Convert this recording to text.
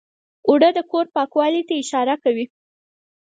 اوړه د کور پاکوالي ته اشاره کوي